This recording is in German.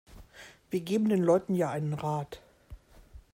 Wir geben den Leuten ja einen Rat.